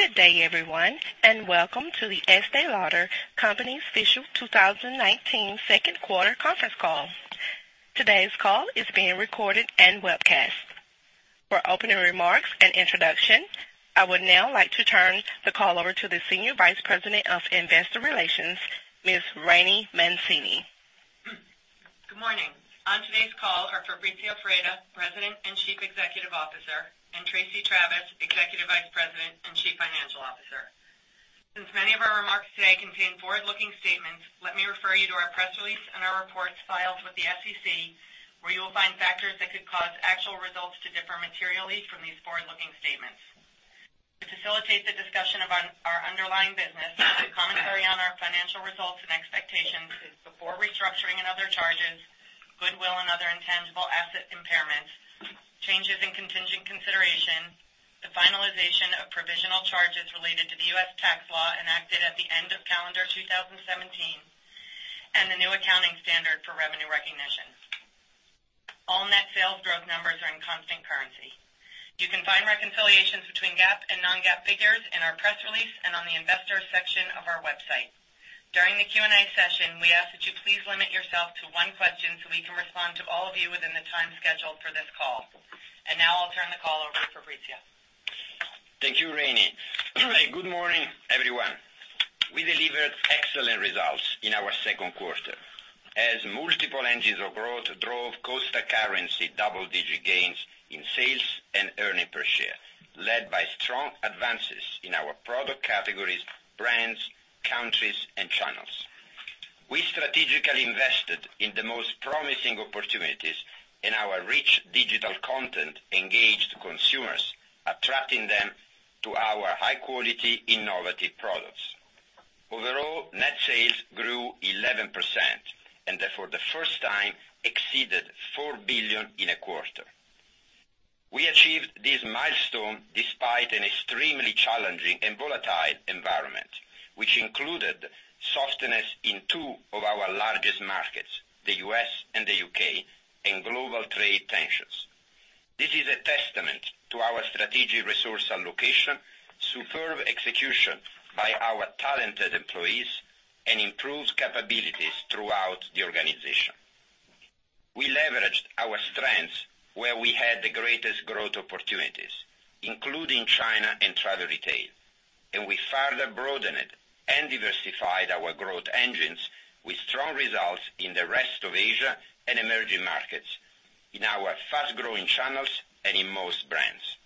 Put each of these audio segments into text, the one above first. Good day, everyone. Welcome to The Estée Lauder Companies official 2019 second quarter conference call. Today's call is being recorded and webcast. For opening remarks and introduction, I would now like to turn the call over to the Senior Vice President of Investor Relations, Ms. Rainey Mancini. Good morning. On today's call are Fabrizio Freda, President and Chief Executive Officer, and Tracey Travis, Executive Vice President and Chief Financial Officer. Since many of our remarks today contain forward-looking statements, let me refer you to our press release and our reports filed with the SEC, where you will find factors that could cause actual results to differ materially from these forward-looking statements. To facilitate the discussion of our underlying business commentary on our financial results and expectations before restructuring and other charges, goodwill and other intangible asset impairments, changes in contingent consideration, the finalization of provisional charges related to the U.S. tax law enacted at the end of calendar 2017, and the new accounting standard for revenue recognition. All net sales growth numbers are in constant currency. You can find reconciliations between GAAP and non-GAAP figures in our press release and on the investor section of our website. During the Q&A session, we ask that you please limit yourself to one question so we can respond to all of you within the time scheduled for this call. Now I'll turn the call over to Fabrizio. Thank you, Rainey. Good morning, everyone. We delivered excellent results in our second quarter as multiple engines of growth drove constant currency double-digit gains in sales and earning per share, led by strong advances in our product categories, brands, countries, and channels. We strategically invested in the most promising opportunities in our rich digital content engaged consumers, attracting them to our high-quality, innovative products. Overall, net sales grew 11% and for the first time exceeded $4 billion in a quarter. We achieved this milestone despite an extremely challenging and volatile environment, which included softness in two of our largest markets, the U.S. and the U.K., global trade tensions. This is a testament to our strategic resource allocation, superb execution by our talented employees, improved capabilities throughout the organization. We leveraged our strengths where we had the greatest growth opportunities, including China and travel retail, and we further broadened and diversified our growth engines with strong results in the rest of Asia and emerging markets, in our fast-growing channels, and in most brands.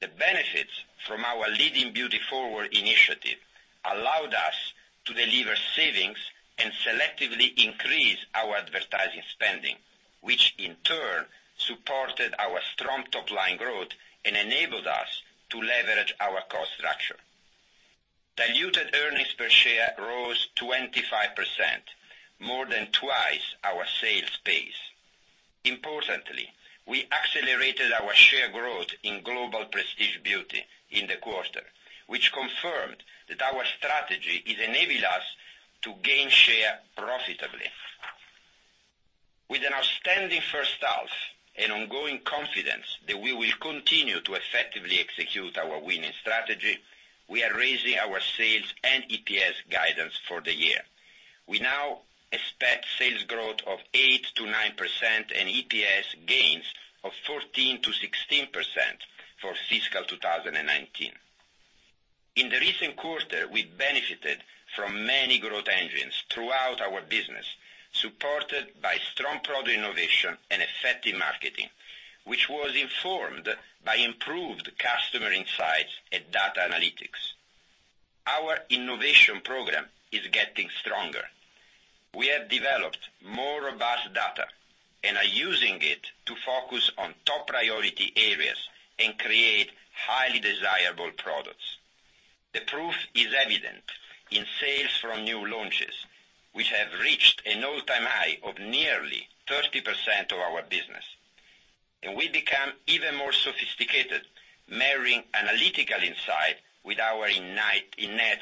The benefits from our Leading Beauty Forward initiative allowed us to deliver savings and selectively increase our advertising spending, which in turn supported our strong top-line growth and enabled us to leverage our cost structure. Diluted earnings per share rose 25%, more than twice our sales pace. Importantly, we accelerated our share growth in global prestige beauty in the quarter, which confirmed that our strategy is enabling us to gain share profitably. With an outstanding first half and ongoing confidence that we will continue to effectively execute our winning strategy, we are raising our sales and EPS guidance for the year. We now expect sales growth of 8%-9% and EPS gains of 14%-16% for fiscal 2019. In the recent quarter, we benefited from many growth engines throughout our business, supported by strong product innovation and effective marketing, which was informed by improved customer insights and data analytics. Our innovation program is getting stronger. We have developed more robust data and are using it to focus on top priority areas and create highly desirable products. The proof is evident in sales from new launches, which have reached an all-time high of nearly 30% of our business. We become even more sophisticated, marrying analytical insight with our innate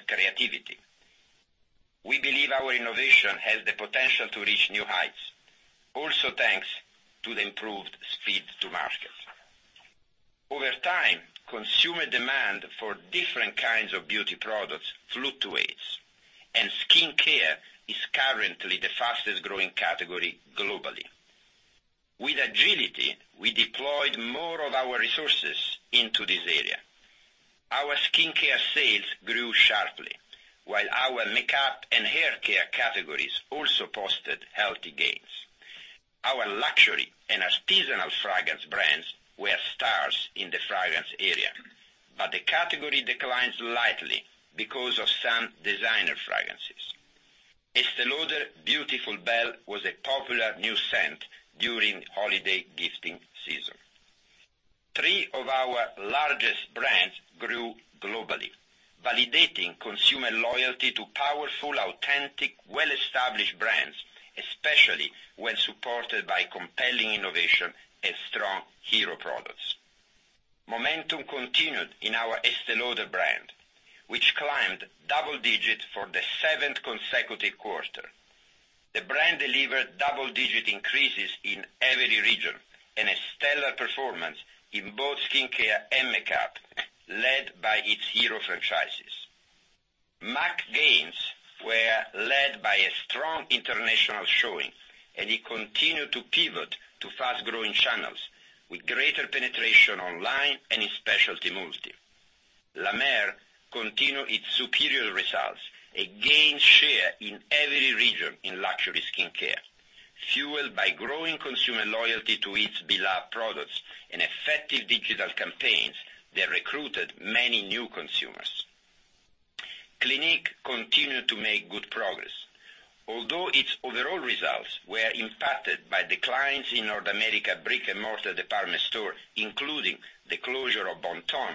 creativity. We believe our innovation has the potential to reach new heights. Also, thanks to the improved speed to market. Over time, consumer demand for different kinds of beauty products fluctuates, and skincare is currently the fastest-growing category globally. With agility, we deployed more of our resources into this area. Our skincare sales grew sharply, while our makeup and hair care categories also posted healthy gains. Our luxury and artisanal fragrance brands were stars in the fragrance area, but the category declines lightly because of some designer fragrances. Estée Lauder Beautiful Belle was a popular new scent during holiday gifting season. Three of our largest brands grew globally, validating consumer loyalty to powerful, authentic, well-established brands, especially when supported by compelling innovation and strong hero products. Momentum continued in our Estée Lauder brand, double digits for the seventh consecutive quarter. The brand delivered double-digit increases in every region and a stellar performance in both skincare and makeup, led by its hero franchises. M·A·C gains were led by a strong international showing, and it continued to pivot to fast-growing channels, with greater penetration online and in specialty multi. La Mer continued its superior results and gained share in every region in luxury skincare, fuelled by growing consumer loyalty to its beloved products and effective digital campaigns that recruited many new consumers. Clinique continued to make good progress. Although its overall results were impacted by declines in North America brick-and-mortar department store, including the closure of Bon-Ton,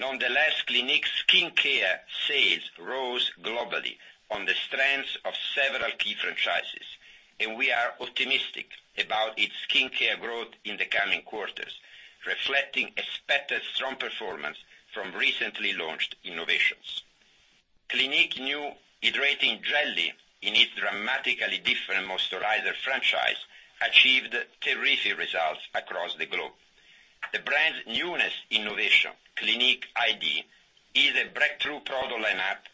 nonetheless, Clinique skincare sales rose globally on the strength of several key franchises, and we are optimistic about its skincare growth in the coming quarters, reflecting expected strong performance from recently launched innovations. Clinique new Hydrating Jelly, in its dramatically different moisturizer franchise, achieved terrific results across the globe. The brand's newest innovation, Clinique iD, is a breakthrough product line-up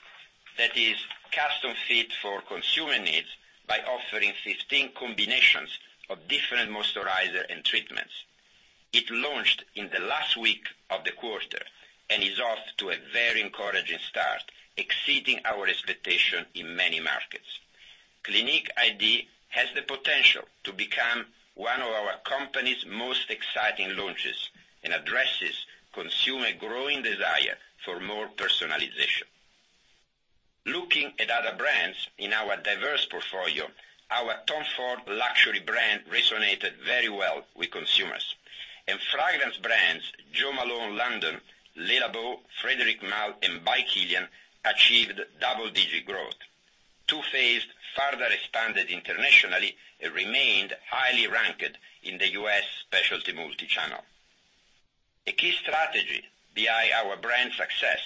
that is custom fit for consumer needs by offering 15 combinations of different moisturizers and treatments. It launched in the last week of the quarter and is off to a very encouraging start, exceeding our expectation in many markets. Clinique iD has the potential to become one of our company's most exciting launches and addresses consumer growing desire for more personalization. Looking at other brands in our diverse portfolio, our Tom Ford luxury brand resonated very well with consumers. Fragrance brands Jo Malone London, Le Labo, Frédéric Malle, and By Kilian achieved double-digit growth. Too Faced further expanded internationally and remained highly ranked in the U.S. specialty multi-channel. A key strategy behind our brand success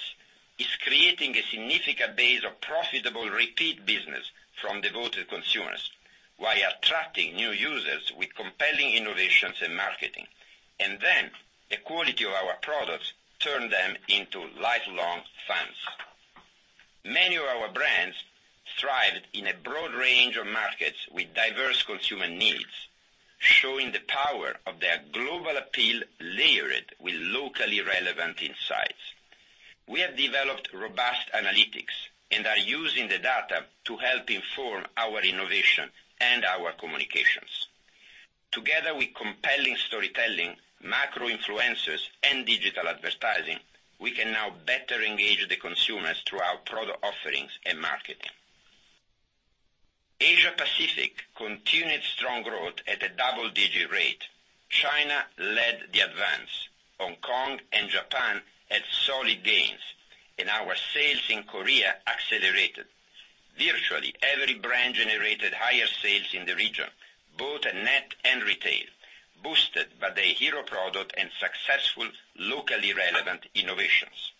is creating a significant base of profitable repeat business from devoted consumers while attracting new users with compelling innovations in marketing. The quality of our products turn them into lifelong fans. Many of our brands thrived in a broad range of markets with diverse consumer needs, showing the power of their global appeal layered with locally relevant insights. We have developed robust analytics and are using the data to help inform our innovation and our communications. Together with compelling storytelling, macro influencers, and digital advertising, we can now better engage the consumers through our product offerings and marketing. Asia Pacific continued strong growth at a double-digit rate. China led the advance. Hong Kong and Japan had solid gains, and our sales in Korea accelerated. Virtually every brand generated higher sales in the region, both at net and retail, boosted by their hero product and successful locally relevant innovations.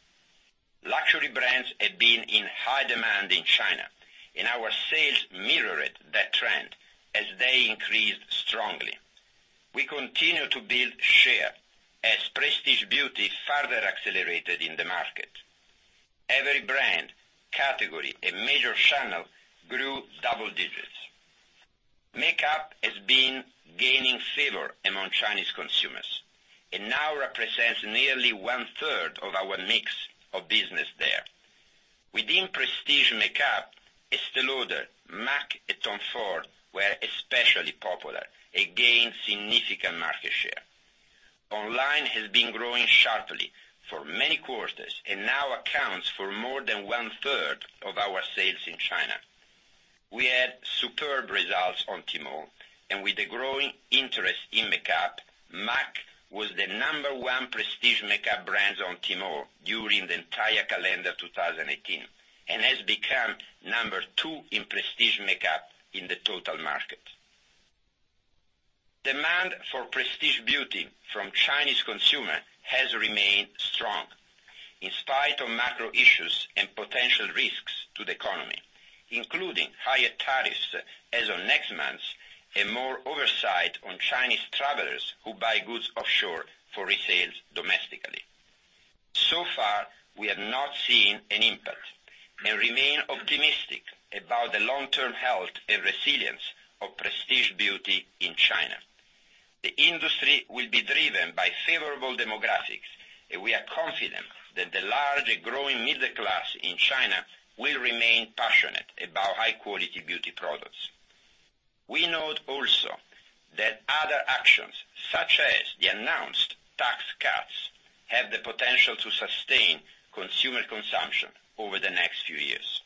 Luxury brands have been in high demand in China, and our sales mirrored that trend as they increased strongly. We continue to build share as prestige beauty further accelerated in the market. Every brand, category, and major channel grew double digits. Makeup has been gaining favor among Chinese consumers and now represents nearly one-third of our mix of business there. Within prestige makeup, Estée Lauder, M·A·C, and Tom Ford were especially popular and gained significant market share. Online has been growing sharply for many quarters and now accounts for more than one-third of our sales in China. We had superb results on Tmall, and with the growing interest in makeup, M·A·C was the number one prestige makeup brand on Tmall during the entire calendar 2018 and has become number two in prestige makeup in the total market. Demand for prestige beauty from Chinese consumer has remained strong in spite of macro issues and potential risks to the economy, including higher tariffs as of next month and more oversight on Chinese travellers who buy goods offshore for resales domestically. Far, we have not seen an impact and remain optimistic about the long-term health and resilience of prestige beauty in China. The industry will be driven by favourable demographics, and we are confident that the large and growing middle class in China will remain passionate about high-quality beauty products. We note also that other actions, such as the announced tax cuts, have the potential to sustain consumer consumption over the next few years.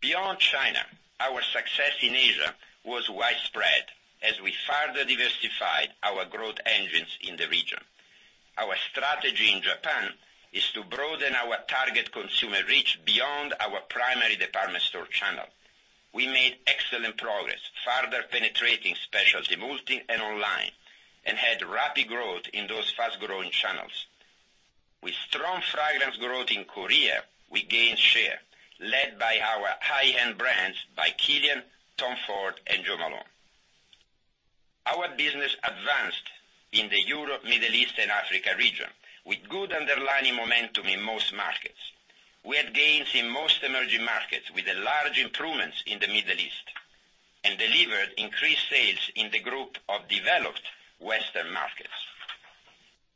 Beyond China, our success in Asia was widespread as we further diversified our growth engines in the region. Our strategy in Japan is to broaden our target consumer reach beyond our primary department store channel. We made excellent progress, further penetrating specialty multi and online, and had rapid growth in those fast-growing channels. With strong fragrance growth in Korea, we gained share led by our high-end brands By Kilian, Tom Ford, and Jo Malone. Our business advanced in the Europe, Middle East, and Africa region with good underlying momentum in most markets. We had gains in most emerging markets with large improvements in the Middle East, and delivered increased sales in the group of developed Western markets.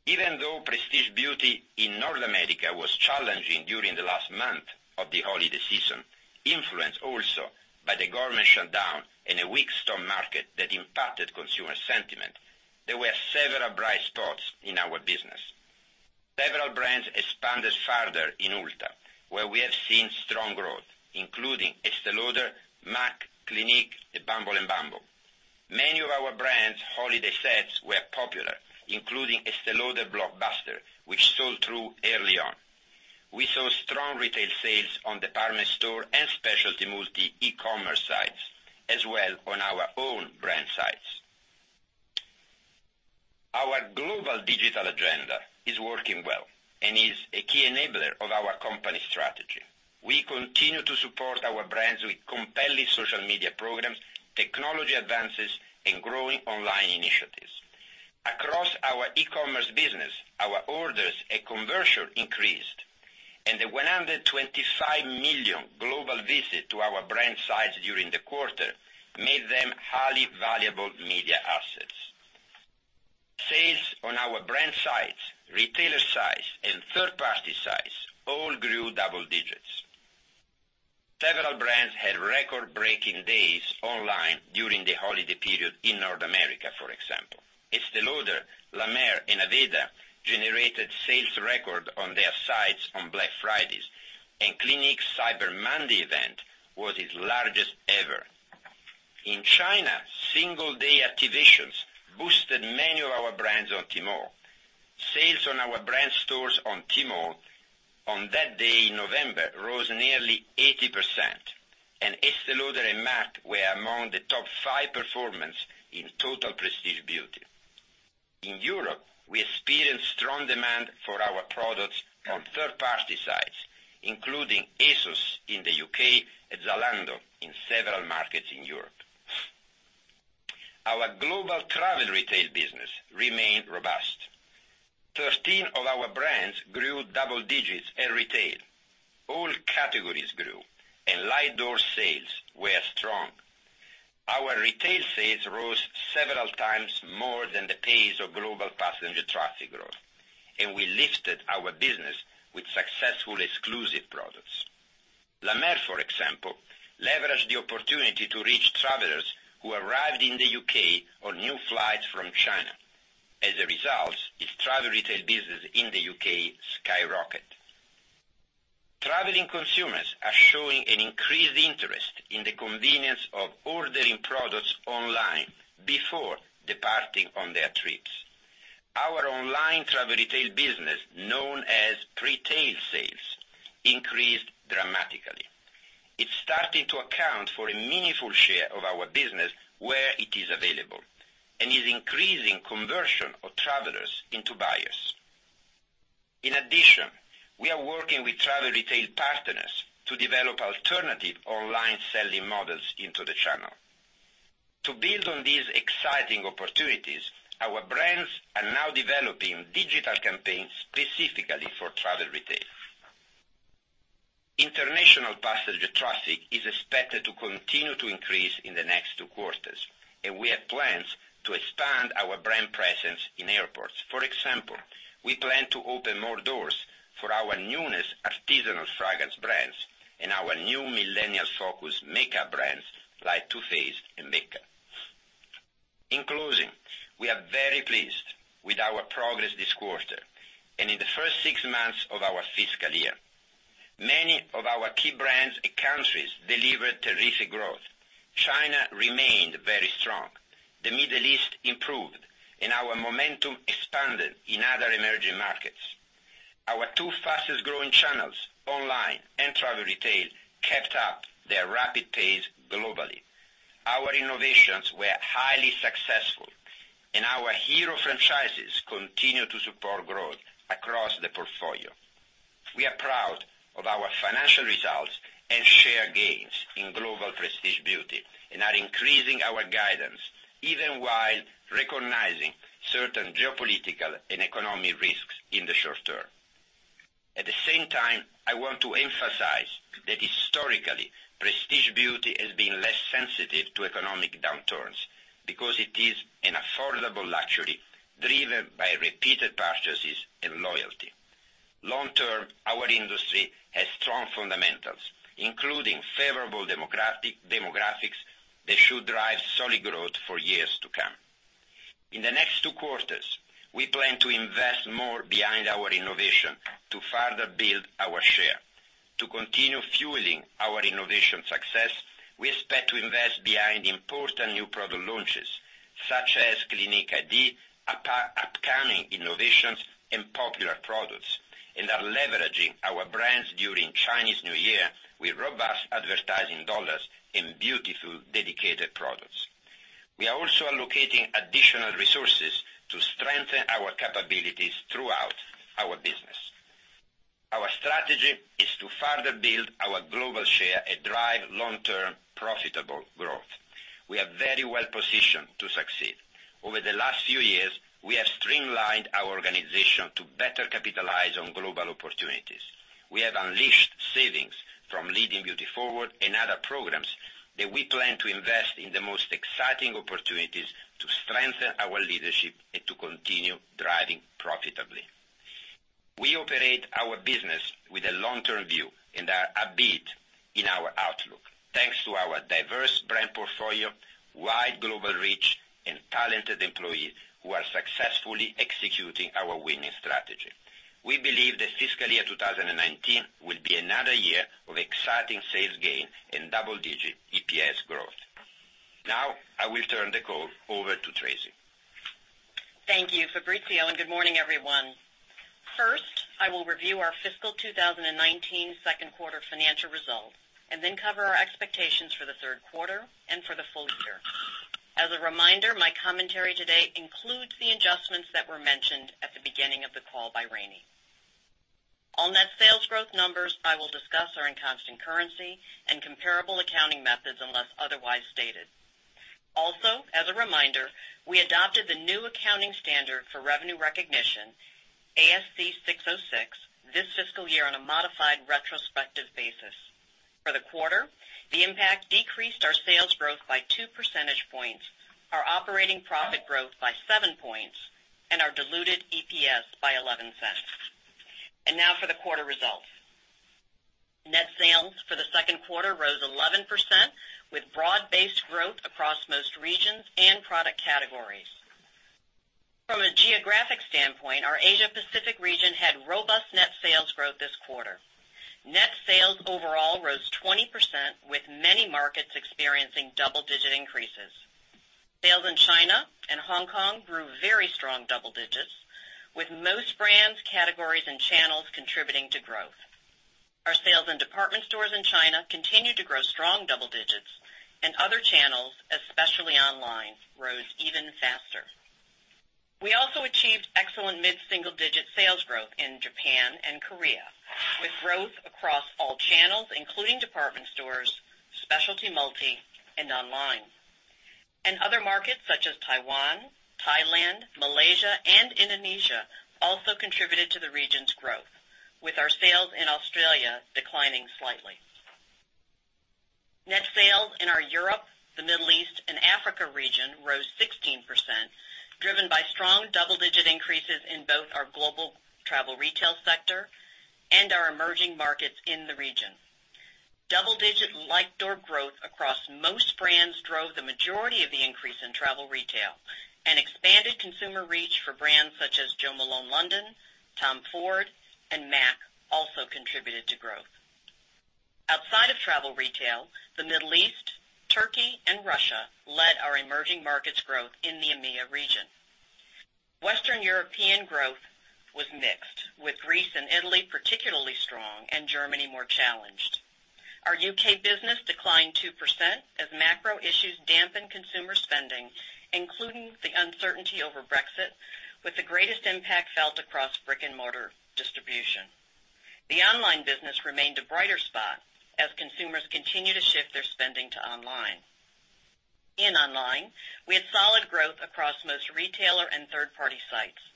Even though prestige beauty in North America was challenging during the last month of the holiday season, influenced also by the government shutdown and a weak stock market that impacted consumer sentiment, there were several bright spots in our business. Several brands expanded further in Ulta, where we have seen strong growth, including Estée Lauder, M·A·C, Clinique, and Bumble and bumble. Many of our brands' holiday sets were popular, including Estée Lauder Blockbuster, which sold through early on. We saw strong retail sales on department store and specialty multi-e-commerce sites, as well on our own brand sites. Our global digital agenda is working well and is a key enabler of our company strategy. We continue to support our brands with compelling social media programs, technology advances, and growing online initiatives. Across our e-commerce business, our orders and conversion increased, and the 125 million global visits to our brand sites during the quarter made them highly valuable media assets. Sales on our brand sites, retailer sites, and third-party sites all grew double digits. Several brands had record-breaking days online during the holiday period in North America, for example. Estée Lauder, La Mer, and Aveda generated sales records on their sites on Black Friday, and Clinique's Cyber Monday event was its largest ever. In China, single day activations boosted many of our brands on Tmall. Sales on our brand stores on Tmall on that day in November rose nearly 80%, and Estée Lauder and M·A·C were among the top five performers in total prestige beauty. In Europe, we experienced strong demand for our products on third-party sites, including ASOS in the U.K. and Zalando in several markets in Europe. Our global travel retail business remained robust. 13 of our brands grew double digits in retail. All categories grew, and like-door sales were strong. Our retail sales rose several times more than the pace of global passenger traffic growth, and we lifted our business with successful exclusive products. La Mer, for example, leveraged the opportunity to reach travellers who arrived in the U.K. on new flights from China. As a result, its travel retail business in the U.K. skyrocketed. Travelling consumers are showing an increased interest in the convenience of ordering products online before departing on their trips. Our online travel retail business, known as pretail sales, increased dramatically. It's starting to account for a meaningful share of our business where it is available and is increasing conversion of travellers into buyers. In addition, we are working with travel retail partners to develop alternative online selling models into the channel. To build on these exciting opportunities, our brands are now developing digital campaigns specifically for travel retail. International passenger traffic is expected to continue to increase in the next two quarters, and we have plans to expand our brand presence in airports. For example, we plan to open more doors for our newest artisanal fragrance brands and our new millennial-focused makeup brands like Too Faced and BECCA. In closing, we are very pleased with our progress this quarter and in the first six months of our fiscal year. Many of our key brands and countries delivered terrific growth. China remained very strong. The Middle East improved, and our momentum expanded in other emerging markets. Our two fastest-growing channels, online and travel retail, kept up their rapid pace globally. Our innovations were highly successful, and our hero franchises continue to support growth across the portfolio. We are proud of our financial results and share gains in global prestige beauty and are increasing our guidance, even while recognizing certain geopolitical and economic risks in the short term. At the same time, I want to emphasize that historically, prestige beauty has been less sensitive to economic downturns because it is an affordable luxury driven by repeated purchases and loyalty. Long term, our industry has strong fundamentals, including favorable demographics that should drive solid growth for years to come. In the next two quarters, we plan to invest more behind our innovation to further build our share. To continue fuelling our innovation success, we expect to invest behind important new product launches such as Clinique iD, winning innovations and popular products, and are leveraging our brands during Chinese New Year with robust advertising dollars in beautiful dedicated products. We are also allocating additional resources to strengthen our capabilities throughout our business. Our strategy is to further build our global share and drive long-term profitable growth. We are very well positioned to succeed. Over the last few years, we have streamlined our organization to better capitalize on global opportunities. We have unleashed savings from Leading Beauty Forward and other programs that we plan to invest in the most exciting opportunities to strengthen our leadership and to continue driving profitably. We operate our business with a long-term view and are upbeat in our outlook, thanks to our diverse brand portfolio, wide global reach, and talented employees who are successfully executing our winning strategy. We believe that fiscal year 2019 will be another year of exciting sales gain and double-digit EPS growth. Now, I will turn the call over to Tracey. Thank you, Fabrizio, and good morning, everyone. First, I will review our fiscal 2019 second quarter financial results, then cover our expectations for the third quarter and for the full year. As a reminder, my commentary today includes the adjustments that were mentioned at the beginning of the call by Rainey. All net sales growth numbers I will discuss are in constant currency and comparable accounting methods unless otherwise stated. Also, as a reminder, we adopted the new accounting standard for revenue recognition, ASC 606, this fiscal year on a modified retrospective basis. For the quarter, the impact decreased our sales growth by two percentage points, our operating profit growth by seven points, and our diluted EPS by $0.11. Now for the quarter results. Net sales for the second quarter rose 11%, with broad-based growth across most regions and product categories. From a geographic standpoint, our Asia Pacific region had robust net sales growth this quarter. Net sales overall rose 20%, with many markets experiencing double-digit increases. Sales in China and Hong Kong grew very strong double digits, with most brands, categories, and channels contributing to growth. Our sales in department stores in China continued to grow strong double digits, and other channels, especially online, rose even faster. We also achieved excellent mid-single-digit sales growth in Japan and Korea, with growth across all channels, including department stores, specialty multi, and online. Other markets such as Taiwan, Thailand, Malaysia, and Indonesia also contributed to the region's growth, with our sales in Australia declining slightly. Net sales in our Europe, the Middle East, and Africa region rose 16%, driven by strong double-digit increases in both our global travel retail sector and our emerging markets in the region. Double-digit like-door growth across most brands drove the majority of the increase in travel retail, expanded consumer reach for brands such as Jo Malone London, Tom Ford, and M·A·C also contributed to growth. Outside of travel retail, the Middle East, Turkey, and Russia led our emerging markets growth in the EMEIA region. Western European growth was mixed, with Greece and Italy particularly strong and Germany more challenged. Our U.K. business declined 2% as macro issues dampened consumer spending, including the uncertainty over Brexit, with the greatest impact felt across brick-and-mortar distribution. The online business remained a brighter spot as consumers continue to shift their spending to online. In online, we had solid growth across most retailer and third-party sites.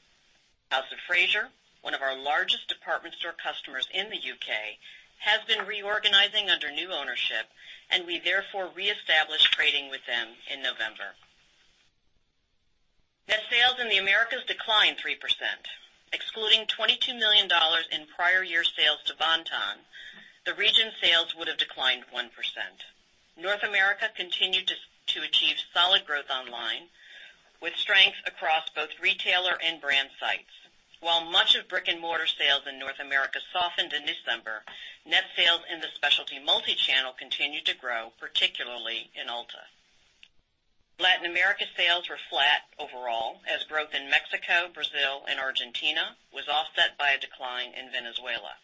House of Fraser, one of our largest department store customers in the U.K., has been reorganizing under new ownership, we therefore re-established trading with them in November. Net sales in the Americas declined 3%. Excluding $22 million in prior year sales to Bon-Ton, the region sales would have declined 1%. North America continued to achieve solid growth online, with strength across both retailer and brand sites. While much of brick-and-mortar sales in North America softened in December, net sales in the specialty multi-channel continued to grow, particularly in Ulta. Latin America sales were flat overall, as growth in Mexico, Brazil, and Argentina was offset by a decline in Venezuela.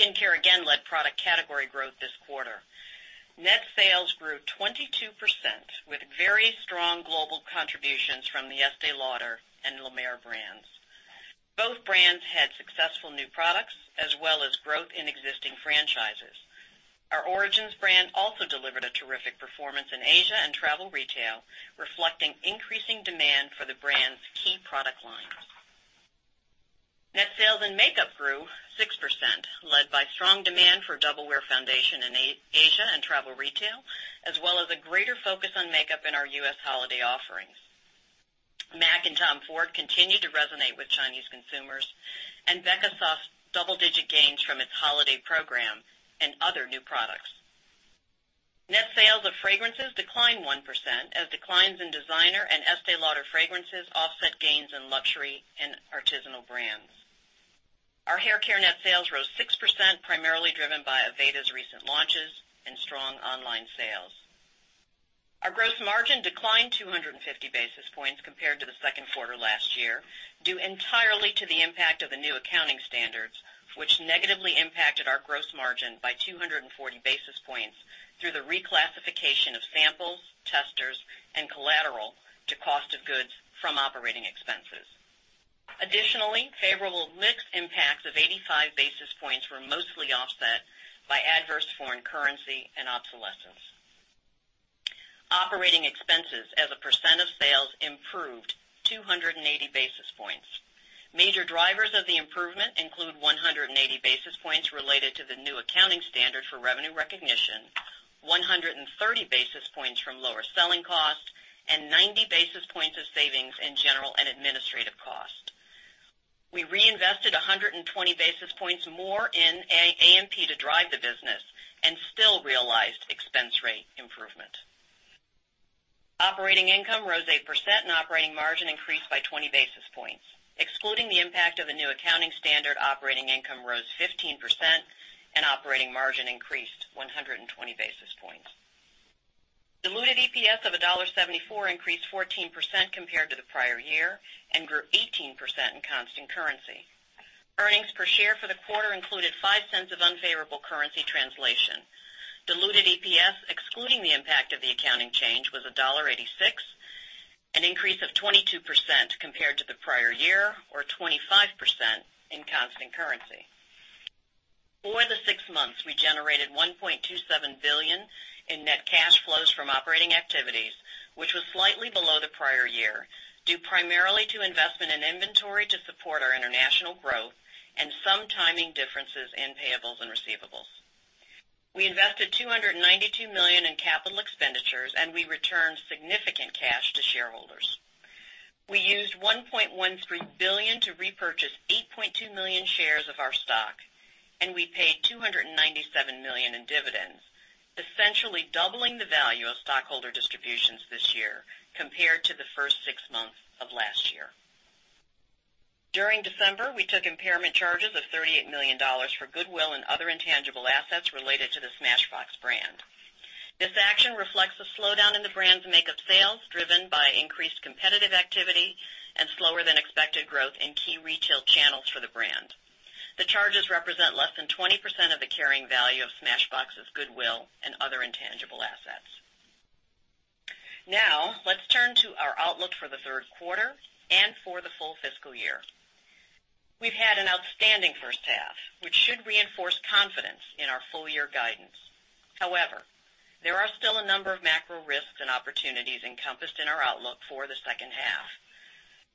Skincare again led product category growth this quarter. Net sales grew 22%, with very strong global contributions from the Estée Lauder and La Mer brands. Both brands had successful new products as well as growth in existing franchises. Our Origins brand also delivered a terrific performance in Asia and travel retail, reflecting increasing demand for the brand's key product lines. Net sales in makeup grew 6%, led by strong demand for Double Wear foundation in Asia and travel retail, as well as a greater focus on makeup in our U.S. holiday offerings. M·A·C and Tom Ford continued to resonate with Chinese consumers, and BECCA saw double-digit gains from its holiday program and other new products. Net sales of fragrances declined 1% as declines in designer and Estée Lauder fragrances offset gains in luxury and artisanal brands. Our hair care net sales rose 6%, primarily driven by Aveda's recent launches and strong online sales. Our gross margin declined 250 basis points compared to the second quarter last year, due entirely to the impact of the new accounting standards, which negatively impacted our gross margin by 240 basis points through the reclassification of samples, testers, and collateral to cost of goods from operating expenses. Additionally, favorable mix impacts of 85 basis points were mostly offset by adverse foreign currency and obsolescence. Operating expenses as a percent of sales improved 280 basis points. Major drivers of the improvement include 180 basis points related to the new accounting standard for revenue recognition, 130 basis points from lower selling costs, and 90 basis points of savings in general and administrative costs. We reinvested 120 basis points more in A&P to drive the business and still realized expense rate improvement. Operating income rose 8%, and operating margin increased by 20 basis points. Excluding the impact of the new accounting standard, operating income rose 15%, and operating margin increased 120 basis points. Diluted EPS of $1.74 increased 14% compared to the prior year and grew 18% in constant currency. Earnings per share for the quarter included $0.05 of unfavorable currency translation. Diluted EPS, excluding the impact of the accounting change, was $1.86, an increase of 22% compared to the prior year or 25% in constant currency. For the six months, we generated $1.27 billion in net cash flows from operating activities, which was slightly below the prior year, due primarily to investment in inventory to support our international growth and some timing differences in payables and receivables. We invested $292 million in capital expenditures, and we returned significant cash to shareholders. We used $1.13 billion to repurchase 8.2 million shares of our stock, and we paid $297 million in dividends, essentially doubling the value of stockholder distributions this year compared to the first six months of last year. During December, we took impairment charges of $38 million for goodwill and other intangible assets related to the Smashbox brand. This action reflects a slowdown in the brand's makeup sales, driven by increased competitive activity and slower than expected growth in key retail channels for the brand. The charges represent less than 20% of the carrying value of Smashbox's goodwill and other intangible assets. Now, let's turn to our outlook for the third quarter and for the full fiscal year. We've had an outstanding first half, which should reinforce confidence in our full-year guidance. However, there are still a number of macro risks and opportunities encompassed in our outlook for the second half.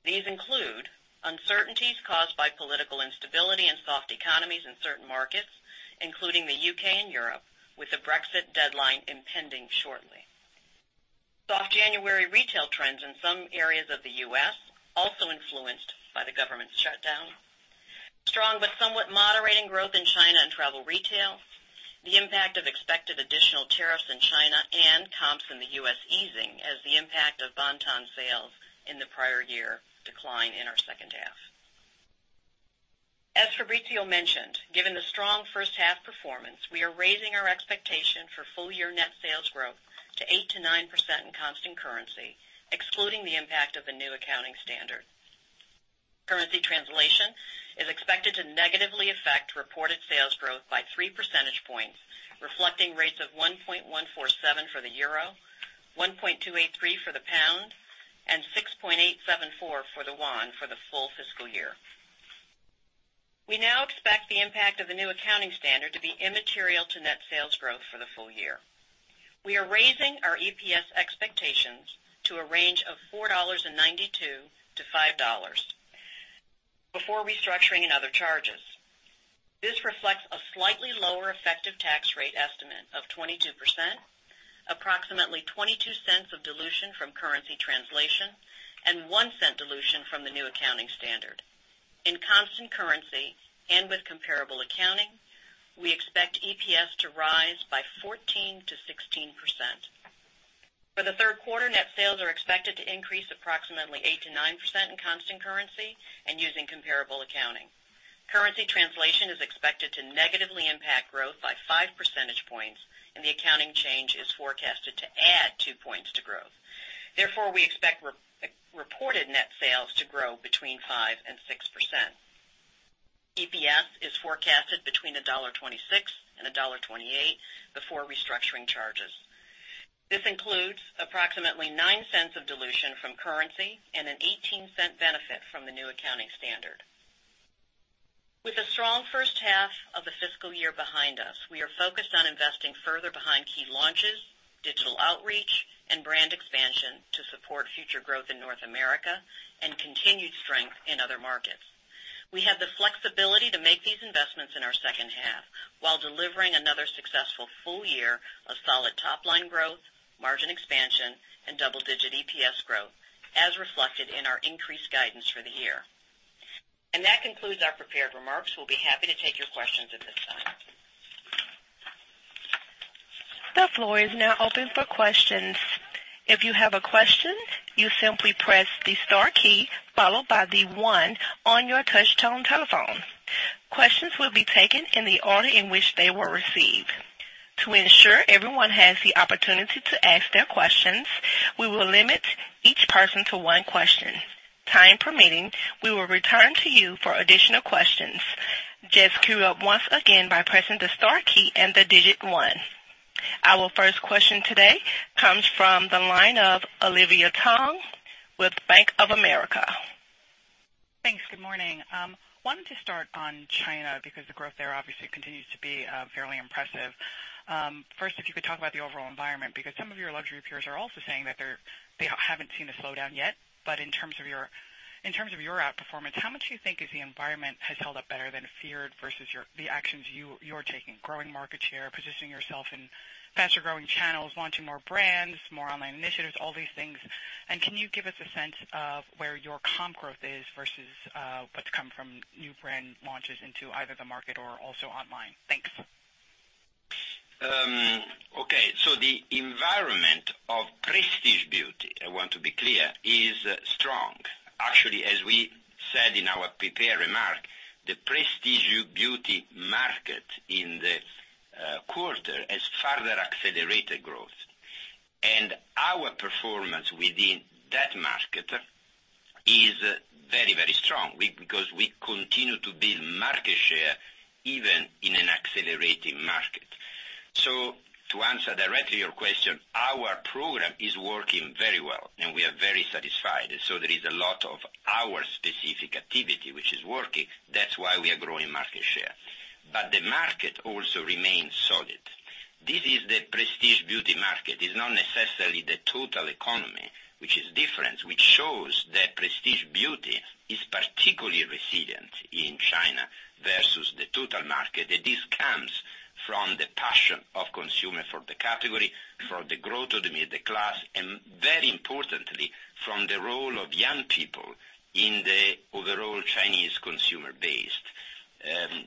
These include uncertainties caused by political instability and soft economies in certain markets, including the U.K. and Europe, with the Brexit deadline impending shortly. Soft January retail trends in some areas of the U.S., also influenced by the government shutdown, strong but somewhat moderating growth in China and travel retail, the impact of expected additional tariffs in China, and comps in the U.S. easing as the impact of Bon-Ton sales in the prior year decline in our second half. As Fabrizio mentioned, given the strong first-half performance, we are raising our expectation for full-year net sales growth to 8%-9% in constant currency, excluding the impact of the new accounting standard. Currency translation is expected to negatively affect reported sales growth by three percentage points, reflecting rates of 1.147 for the euro, 1.283 for the pound, and 6.874 for the won for the full fiscal year. We now expect the impact of the new accounting standard to be immaterial to net sales growth for the full year. We are raising our EPS expectations to a range of $4.92 to $5 before restructuring and other charges. This reflects a slightly lower effective tax rate estimate of 22%, approximately $0.22 of dilution from currency translation, and $0.01 dilution from the new accounting standard. In constant currency and with comparable accounting, we expect EPS to rise by 14%-16%. For the third quarter, net sales are expected to increase approximately 8%-9% in constant currency and using comparable accounting. Currency translation is expected to negatively impact growth by five percentage points, and the accounting change is forecasted to add two points to growth. Therefore, we expect reported net sales to grow between 5% and 6%. EPS is forecasted between $1.26 and $1.28 before restructuring charges. This includes approximately $0.09 of dilution from currency and an $0.18 benefit from the new accounting standard. With a strong first half of the fiscal year behind us, we are focused on investing further behind key launches, digital outreach, and brand expansion to support future growth in North America and continued strength in other markets. We have the flexibility to make these investments in our second half while delivering another successful full year of solid top-line growth, margin expansion, and double-digit EPS growth, as reflected in our increased guidance for the year. That concludes our prepared remarks. We will be happy to take your questions at this time. The floor is now open for questions. If you have a question, you simply press the star key followed by the one on your touch-tone telephone. Questions will be taken in the order in which they were received. To ensure everyone has the opportunity to ask their questions, we will limit each person to one question. Time permitting, we will return to you for additional questions. Just queue up once again by pressing the star key and the digit one. Our first question today comes from the line of Olivia Tong with Bank of America. Thanks. Good morning. Wanted to start on China because the growth there obviously continues to be fairly impressive. If you could talk about the overall environment, because some of your luxury peers are also saying that they haven't seen a slowdown yet, but in terms of your outperformance, how much do you think is the environment has held up better than feared versus the actions you're taking, growing market share, positioning yourself in faster-growing channels, launching more brands, more online initiatives, all these things? Can you give us a sense of where your comp growth is versus what's come from new brand launches into either the market or also online? Thanks. Okay, the environment of prestige beauty, I want to be clear, is strong. Actually, as we said in our prepared remark, the prestige beauty market in the quarter has further accelerated growth. Our performance within that market is very strong because we continue to build market share even in an accelerating market. To answer directly your question, our program is working very well, and we are very satisfied. There is a lot of our specific activity which is working. That's why we are growing market share. The market also remains solid. This is the prestige beauty market. It's not necessarily the total economy, which is different, which shows that prestige beauty is particularly resilient in China versus the total market. This comes from the passion of consumer for the category, from the growth of the middle class, and very importantly, from the role of young people in the overall Chinese consumer base.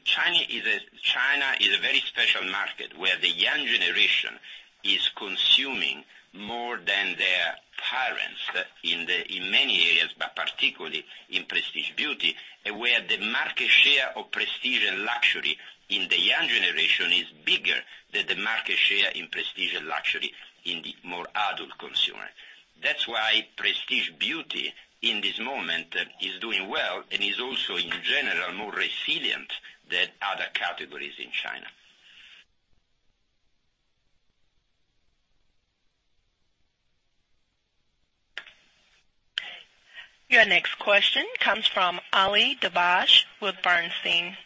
China is a very special market where the young generation is consuming more than their parents in many areas, but particularly in prestige beauty, where the market share of prestige and luxury in the young generation is bigger than the market share in prestige and luxury in the more adult consumer. That's why prestige beauty in this moment is doing well and is also, in general, more resilient than other categories in China. Your next question comes from Ali Dibadj with Bernstein.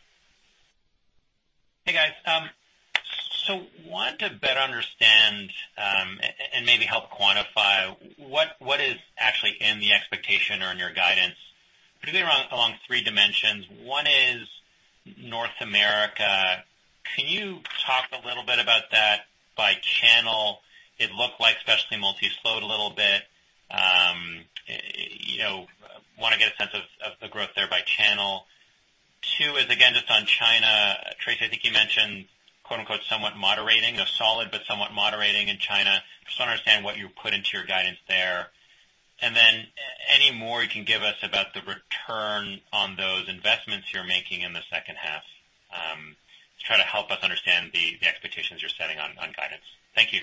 Hey, guys. Want to better understand, and maybe help quantify what is actually in the expectation or in your guidance, particularly along three dimensions. One is North America. Can you talk a little bit about that by channel? It looked like specialty multi slowed a little bit. Want to get a sense of the growth there by channel. Two is, again, just on China. Tracey, I think you mentioned "somewhat moderating," solid but somewhat moderating in China. Just want to understand what you put into your guidance there. Any more you can give us about the return on those investments you're making in the second half to try to help us understand the expectations you're setting on guidance. Thank you.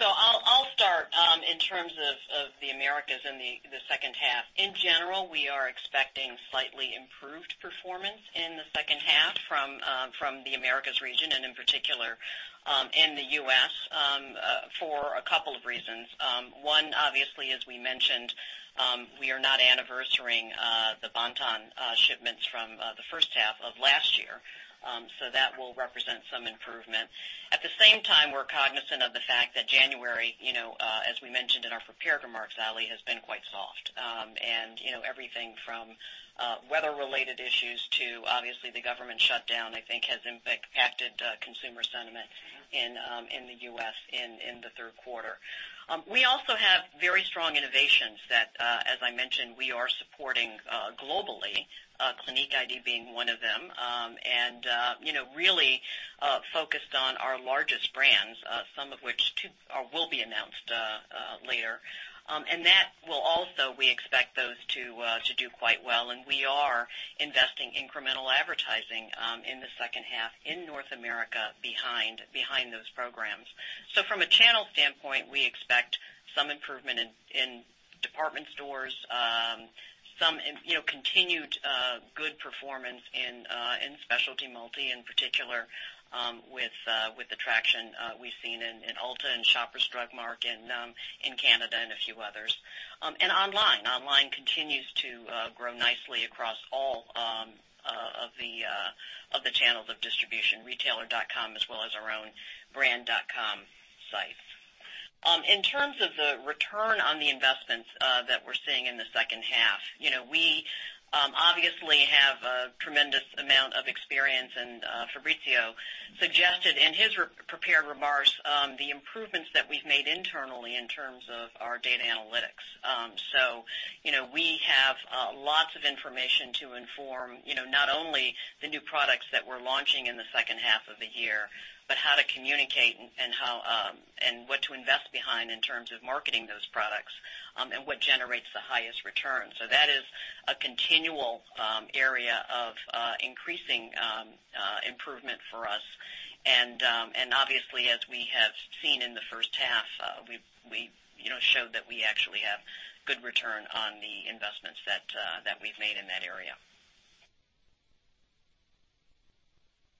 I'll start in terms of the Americas in the second half. In general, we are expecting slightly improved performance in the second half from the Americas region and in particular, in the U.S., for a couple of reasons. One, obviously, as we mentioned, we are not anniversarying the Bon-Ton shipments from the first half of last year. That will represent some improvement. At the same time, we're cognizant of the fact that January, as we mentioned in our prepared remarks, Ali, has been quite soft. Everything from weather-related issues to obviously the government shutdown, I think, has impacted consumer sentiment in the U.S. in the third quarter. We also have very strong innovations that, as I mentioned, we are supporting globally, Clinique iD being one of them, and really focused on our largest brands, some of which will be announced later. That will also, we expect those to do quite well, we are investing incremental advertising in the second half in North America behind those programs. From a channel standpoint, we expect some improvement in department stores, some continued good performance in specialty multi, in particular with the traction we've seen in Ulta and Shoppers Drug Mart in Canada and a few others. Online. Online continues to grow nicely across all of the channels of distribution, retailer.com as well as our own brand.com sites. In terms of the return on the investments that we're seeing in the second half. We obviously have a tremendous amount of experience, and Fabrizio suggested in his prepared remarks. The improvements that we've made internally in terms of our data analytics. We have lots of information to inform, not only the new products that we're launching in the second half of the year, but how to communicate and what to invest behind in terms of marketing those products, and what generates the highest return. That is a continual area of increasing improvement for us. Obviously, as we have seen in the first half, we showed that we actually have good return on the investments that we've made in that area.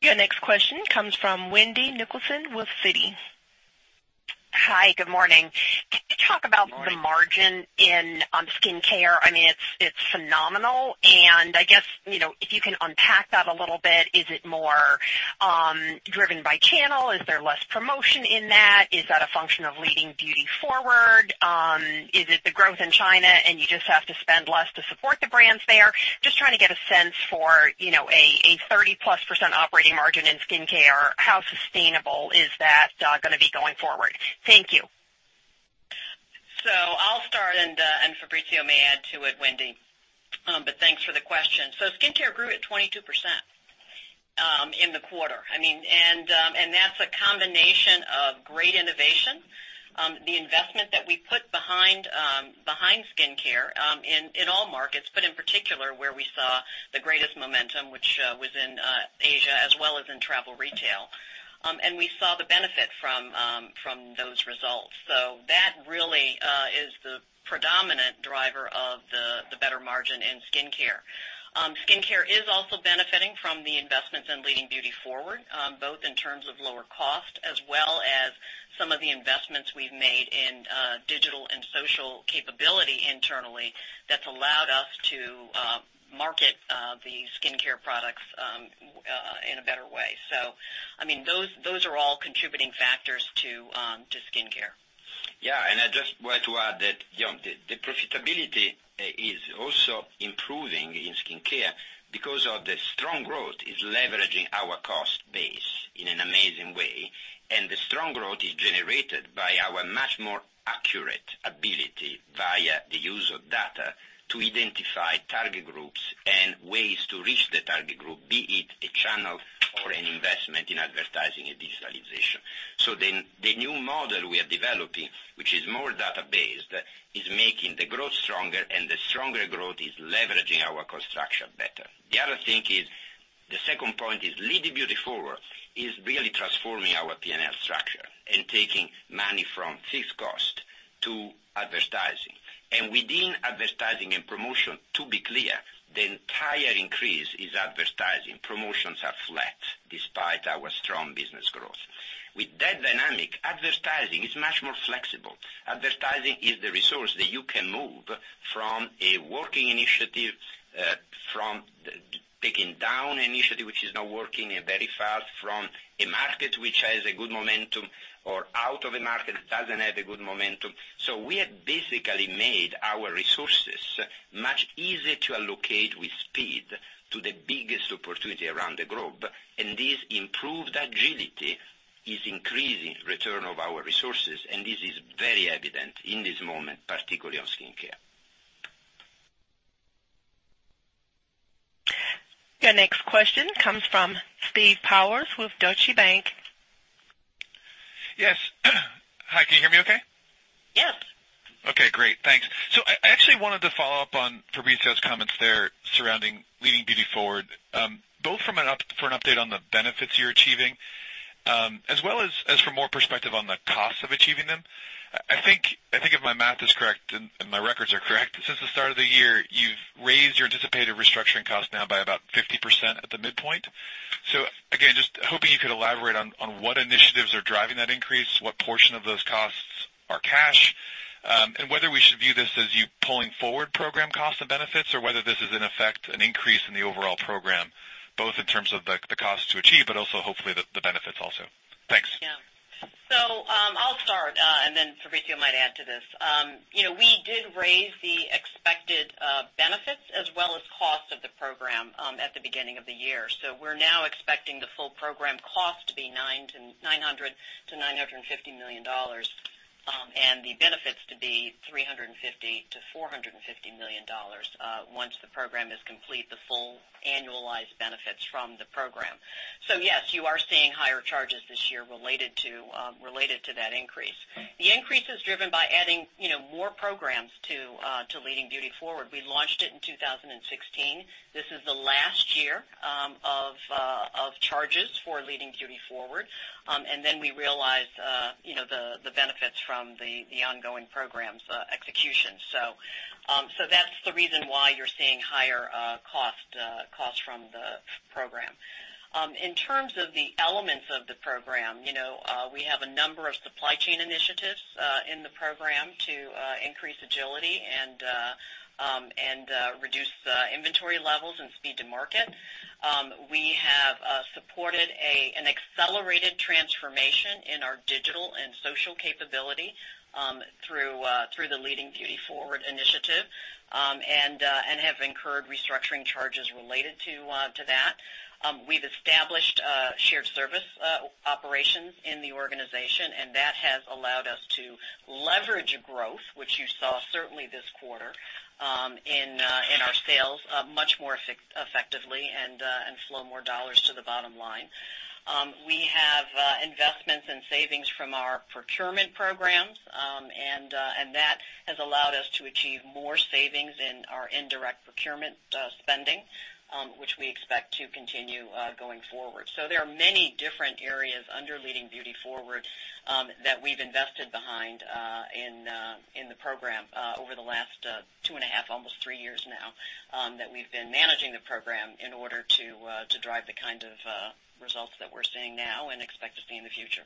Your next question comes from Wendy Nicholson with Citi. Hi, good morning. Good morning. Can you talk about the margin in skincare? It's phenomenal, and I guess, if you can unpack that a little bit, is it more driven by channel? Is there less promotion in that? Is that a function of Leading Beauty Forward? Is it the growth in China, and you just have to spend less to support the brands there? Just trying to get a sense for a 30%+ Operating margin in skincare. How sustainable is that going to be going forward? Thank you. I'll start, and Fabrizio may add to it, Wendy. Thanks for the question. Skincare grew at 22% in the quarter. That's a combination of great innovation, the investment that we put behind skincare, in all markets, but in particular, where we saw the greatest momentum, which was in Asia, as well as in travel retail. We saw the benefit from those results. That really is the predominant driver of the better margin in skincare. Skincare is also benefiting from the investments in Leading Beauty Forward, both in terms of lower cost as well as some of the investments we've made in digital and social capability internally that's allowed us to market the skincare products in a better way. Those are all contributing factors to skincare. I just want to add that the profitability is also improving in skincare because of the strong growth is leveraging our cost base in an amazing way, and the strong growth is generated by our much more accurate ability, via the use of data, to identify target groups and ways to reach the target group, be it a channel or an investment in advertising and digitalization. The new model we are developing, which is more data-based, is making the growth stronger, and the stronger growth is leveraging our construction better. The second point is Leading Beauty Forward is really transforming our P&L structure and taking money from fixed cost to advertising. Within advertising and promotion, to be clear, the entire increase is advertising. Promotions are flat despite our strong business growth. With that dynamic, advertising is much more flexible. Advertising is the resource that you can move from a working initiative, from taking down an initiative which is not working very fast, from a market which has a good momentum or out of a market that doesn't have a good momentum. We have basically made our resources much easier to allocate with speed to the biggest opportunity around the globe, and this improved agility is increasing return of our resources, and this is very evident in this moment, particularly on skincare. Your next question comes from Steve Powers with Deutsche Bank. Yes. Hi, can you hear me okay? Yes. Okay, great. Thanks. I actually wanted to follow up on Fabrizio's comments there surrounding Leading Beauty Forward, both for an update on the benefits you're achieving, as well as for more perspective on the costs of achieving them. I think if my math is correct and my records are correct, since the start of the year, you've raised your anticipated restructuring cost now by about 50% at the midpoint. Again, just hoping you could elaborate on what initiatives are driving that increase, what portion of those costs are cash, and whether we should view this as you pulling forward program costs and benefits or whether this is in effect an increase in the overall program, both in terms of the cost to achieve, but also hopefully the benefits also. Thanks. Yeah. I'll start, and then Fabrizio might add to this. We did raise the expected benefits as well as cost of the program at the beginning of the year. We're now expecting the full program cost to be $900 million-$950 million, and the benefits to be $350 million-$450 million once the program is complete, the full annualized benefits from the program. Yes, you are seeing higher charges this year related to that increase. The increase is driven by adding more programs to Leading Beauty Forward. We launched it in 2016. This is the last year of charges for Leading Beauty Forward. We realize the benefits from the ongoing program's execution. That's the reason why you're seeing higher costs from the program. In terms of the elements of the program, we have a number of supply chain initiatives in the program to increase agility and reduce the inventory levels and speed to market. We have supported an accelerated transformation in our digital and social capability through the Leading Beauty Forward initiative and have incurred restructuring charges related to that. We've established shared service operations in the organization, that has allowed us to leverage growth, which you saw certainly this quarter in our sales much more effectively and flow more dollars to the bottom line. We have investments and savings from our procurement programs, that has allowed us to achieve more savings in our indirect procurement spending, which we expect to continue going forward. There are many different areas under Leading Beauty Forward that we've invested behind in the program over the last two and a half, almost three years now, that we've been managing the program in order to drive the kind of results that we're seeing now and expect to see in the future.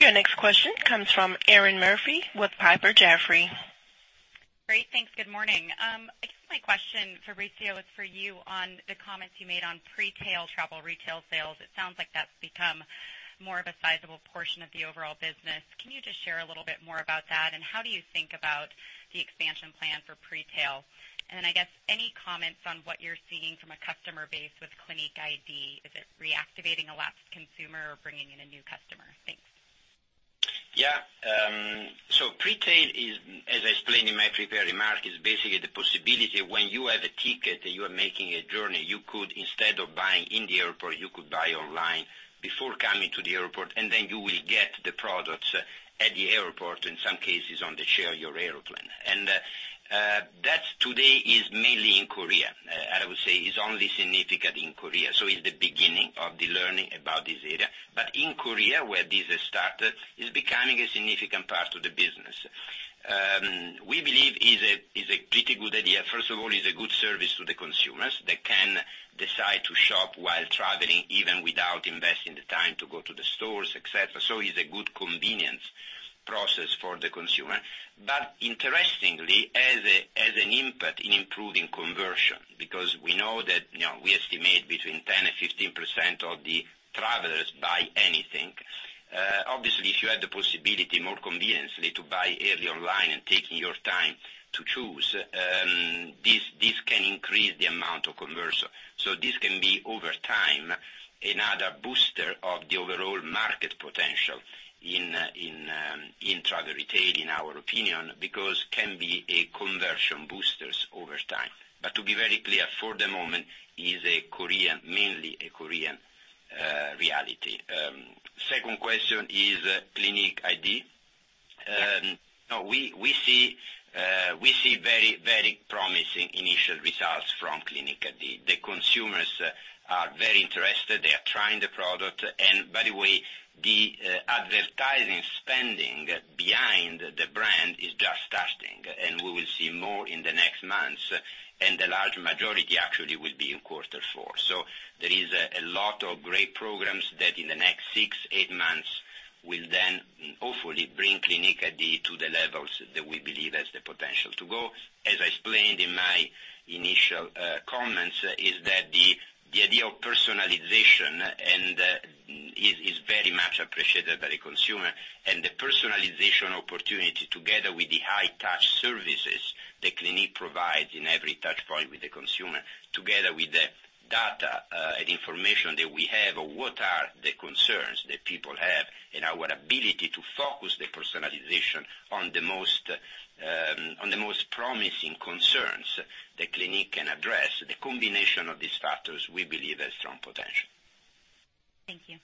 Your next question comes from Erinn Murphy with Piper Jaffray. Great. Thanks. Good morning. I guess my question, Fabrizio, is for you on the comments you made on pre-tail travel retail sales. It sounds like that's become more of a sizable portion of the overall business. Can you just share a little bit more about that, and how do you think about the expansion plan for pre-tail? Then, I guess, any comments on what you're seeing from a customer base with Clinique iD? Is it reactivating a lapsed consumer or bringing in a new customer? Thanks. Yeah. Pre-tail is, as I explained in my prepared remarks, is basically the possibility when you have a ticket that you are making a journey, you could, instead of buying in the airport, you could buy online before coming to the airport, and then you will get the products at the airport, in some cases on the share your airplane. That today is mainly in Korea. I would say it's only significant in Korea. It's the beginning of the learning about this area. In Korea, where this has started, it's becoming a significant part of the business. We believe it's a pretty good idea. First of all, it's a good service to the consumers. They can decide to shop while travelling, even without investing the time to go to the stores, et cetera. It's a good convenience process for the consumer. Interestingly, as an input in improving conversion, because we know that we estimate between 10%-15% of the travellers buy anything. Obviously, if you had the possibility more conveniently to buy early online and taking your time to choose, this can increase the amount of conversion. This can be, over time, another booster of the overall market potential in travel retail, in our opinion, because can be a conversion boosters over time. To be very clear, for the moment, it is mainly a Korean reality. Second question is Clinique iD. We see very promising initial results from Clinique iD. The consumers are very interested. They are trying the product. By the way, the advertising spending behind the brand is just starting, and we will see more in the next months, and the large majority actually will be in quarter four. There is a lot of great programs that in the next six, eight months will then hopefully bring Clinique iD to the levels that we believe has the potential to go. As I explained in my initial comments, is that the idea of personalization and is very much appreciated by the consumer and the personalization opportunity, together with the high-touch services that Clinique provides in every touch point with the consumer, together with the data and information that we have of what are the concerns that people have and our ability to focus the personalization on the most promising concerns that Clinique can address, the combination of these factors, we believe, has strong potential. Thank you.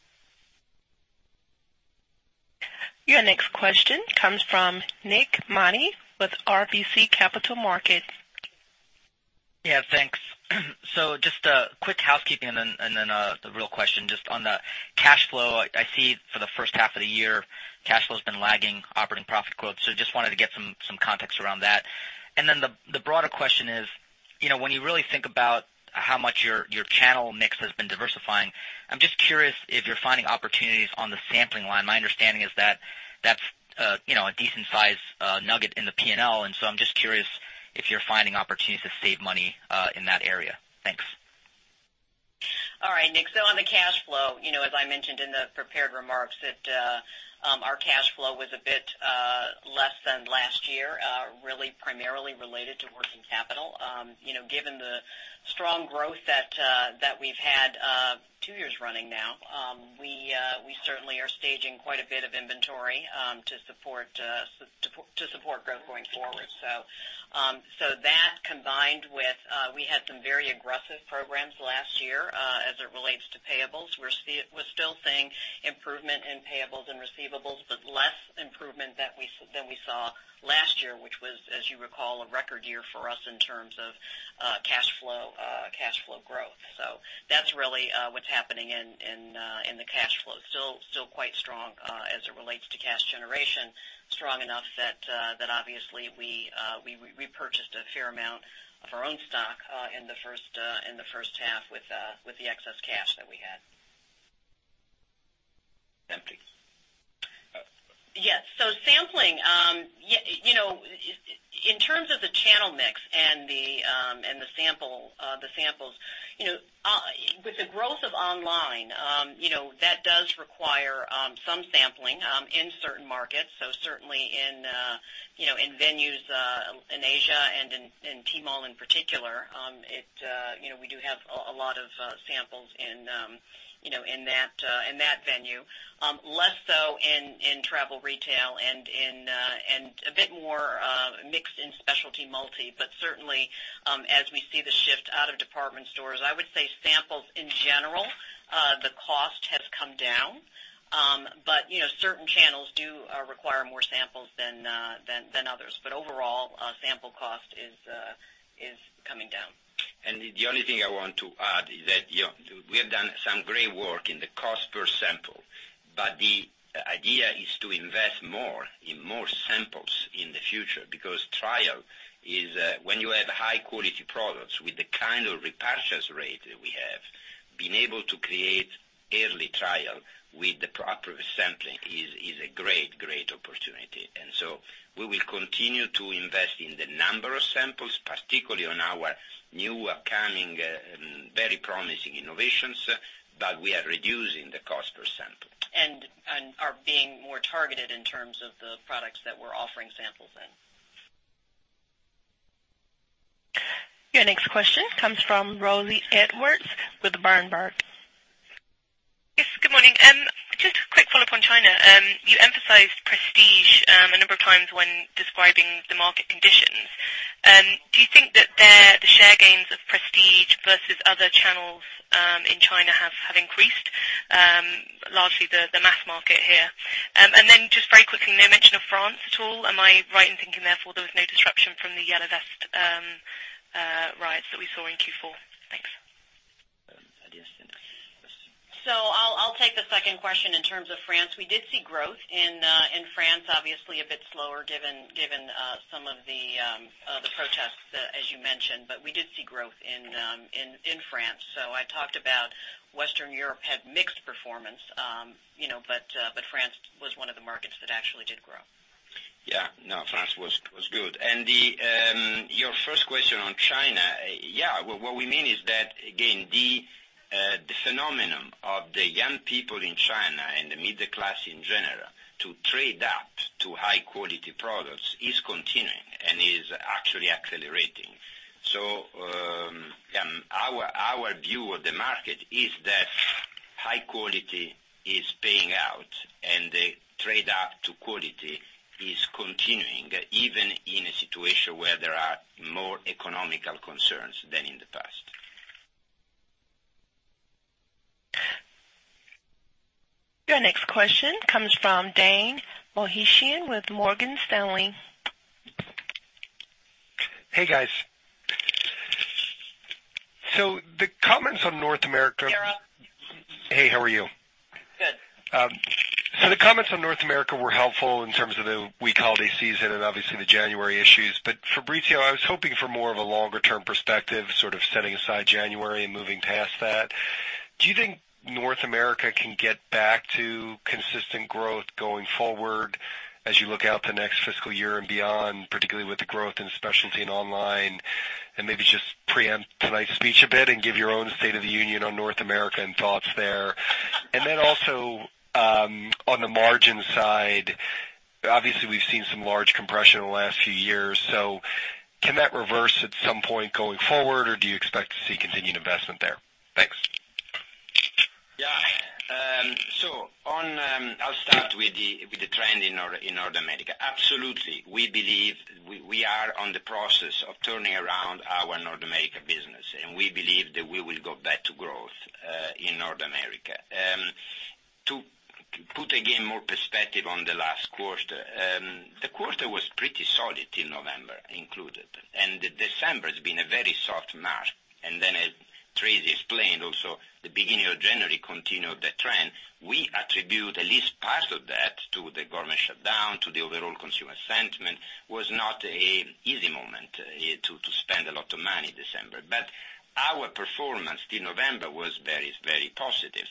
Your next question comes from Nik Modi with RBC Capital Markets. Yeah, thanks. Just a quick housekeeping and then the real question, just on the cash flow. I see for the first half of the year, cash flow's been lagging operating profit growth. Just wanted to get some context around that. The broader question is, when you really think about how much your channel mix has been diversifying, I'm just curious if you're finding opportunities on the sampling line. My understanding is that's a decent size nugget in the P&L, I'm just curious if you're finding opportunities to save money in that area. Thanks. All right, Nik. On the cash flow, as I mentioned in the prepared remarks, that our cash flow was a bit less than last year, really primarily related to working capital. Given the strong growth that we've had two years running now, we certainly are staging quite a bit of inventory to support growth going forward. That combined with, we had some very aggressive programs last year as it relates to payables. We're still seeing improvement in payables and receivables, but less improvement than we saw last year, which was, as you recall, a record year for us in terms of cash flow growth. That's really what's happening in the cash flow. Still quite strong as it relates to cash generation, strong enough that obviously we repurchased a fair amount of our own stock in the first half with the excess cash that we had. Empty. Yes. Sampling, in terms of the channel mix and the samples. With the growth of online, that does require some sampling in certain markets. Certainly in venues in Asia and in Tmall in particular, we do have a lot of samples in that venue. Less so in travel retail and a bit more mixed in specialty multi, but certainly, as we see the shift out of department stores. I would say samples in general, the cost has come down. Certain channels do require more samples than others. Overall, sample cost is coming down. The only thing I want to add is that, we have done some great work in the cost per sample, but the idea is to invest more in more samples in the future, because trial is when you have high-quality products with the kind of repurchase rate that we have, being able to create early trial with the proper sampling is a great opportunity. We will continue to invest in the number of samples, particularly on our new upcoming, very promising innovations, but we are reducing the cost per sample. Are being more targeted in terms of the products that we're offering samples in. Your next question comes from Rosie Edwards with Berenberg. Yes, good morning. Just a quick follow-up on China. You emphasized prestige a number of times when describing the market conditions. Do you think that the share gains of prestige versus other channels in China have increased, largely the mass market here? Just very quickly, no mention of France at all. Am I right in thinking therefore there was no disruption from the Yellow Vest riots that we saw in Q4? Thanks. Yes. I'll take the second question in terms of France. We did see growth in France, obviously a bit slower given some of the protests, as you mentioned. We did see growth in France. I talked about Western Europe had mixed performance, France was one of the markets that actually did grow. Yeah. No, France was good. Your first question on China. Yeah, what we mean is that, again, the phenomenon of the young people in China and the middle class in general to trade up to high-quality products is continuing and is actually accelerating. Our view of the market is that high quality is paying out and the trade up to quality is continuing, even in a situation where there are more economical concerns than in the past. Your next question comes from Dara Mohsenian with Morgan Stanley. Hey, guys. The comments on North America Tara. Hey, how are you? Good. The comments on North America were helpful in terms of the weak holiday season and obviously the January issues. Fabrizio, I was hoping for more of a longer-term perspective, sort of setting aside January and moving past that. Do you think North America can get back to consistent growth going forward as you look out the next fiscal year and beyond, particularly with the growth in specialty and online? Maybe just preempt tonight's speech a bit and give your own State of the Union on North America and thoughts there. Also, on the margin side, obviously, we've seen some large compression in the last few years. Can that reverse at some point going forward, or do you expect to see continued investment there? Thanks. Yeah. I'll start with the trend in North America. Absolutely. We believe we are on the process of turning around our North America business, and we believe that we will go back to growth in North America. To put again, more perspective on the last quarter. The quarter was pretty solid till November included. December has been a very soft month. As Tracey explained also, the beginning of January continued the trend. We attribute at least part of that to the government shutdown, to the overall consumer sentiment, was not an easy moment to spend a lot of money in December. Our performance till November was very positive.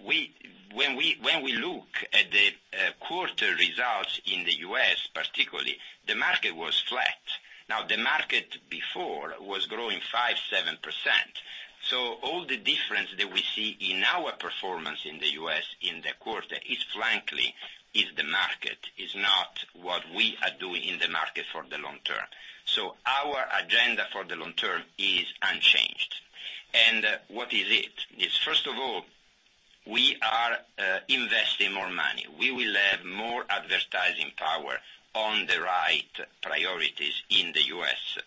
When we look at the quarter results in the U.S. particularly, the market was flat. Now, the market before was growing 5%-7%. All the difference that we see in our performance in the U.S. in the quarter is frankly, is the market, is not what we are doing in the market for the long term. Our agenda for the long term is unchanged. What is it? It's first of all, we are investing more money. We will have more advertising power on the right priorities in the U.S.,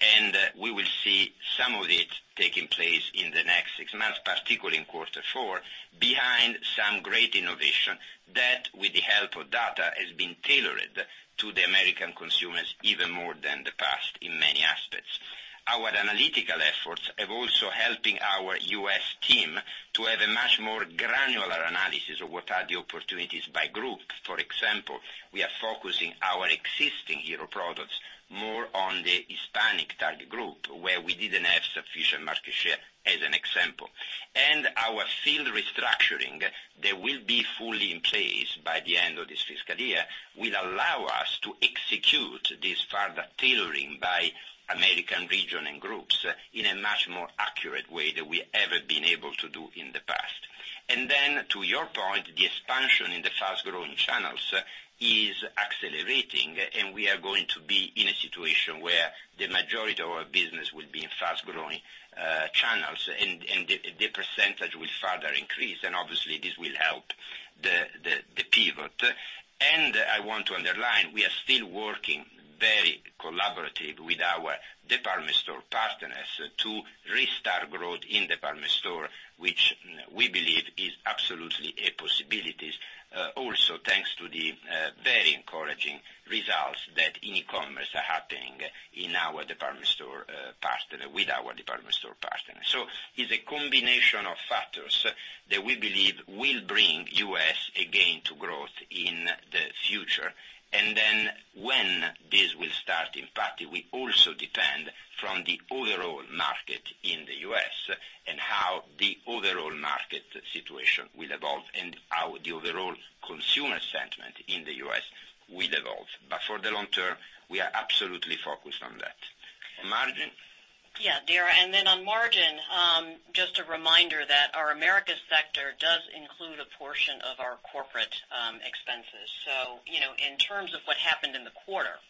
and we will see some of it taking place in the next 6 months, particularly in quarter four, behind some great innovation that, with the help of data, has been tailored to the American consumers even more than the past, in many aspects. Our analytical efforts are also helping our U.S. team to have a much more granular. What are the opportunities by group? For example, we are focusing our existing hero products more on the Hispanic target group, where we didn't have sufficient market share as an example. Our field restructuring, that will be fully in place by the end of this fiscal year, will allow us to execute this further tailoring by American region and groups in a much more accurate way than we ever been able to do in the past. To your point, the expansion in the fast-growing channels is accelerating, and we are going to be in a situation where the majority of our business will be in fast-growing channels, and the percentage will further increase, and obviously this will help the pivot. I want to underline, we are still working very collaborative with our department store partners to restart growth in department store, which we believe is absolutely a possibility. Also, thanks to the very encouraging results that e-commerce are happening with our department store partners. It's a combination of factors that we believe will bring U.S. again to growth in the future. When this will start, in fact, we also depend from the overall market in the U.S. and how the overall market situation will evolve and how the overall consumer sentiment in the U.S. will evolve. For the long term, we are absolutely focused on that. On margin? Yeah, Dara. On margin, just a reminder that our Americas sector does include a portion of our corporate expenses. In terms of what happened in the quarter,